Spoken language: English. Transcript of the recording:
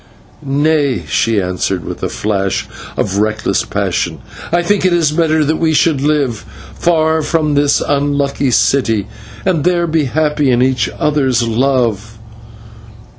"Nay," she answered, with a flash of reckless passion, "I think it better that we should live, far from this unlucky city, and there be happy in each other's love.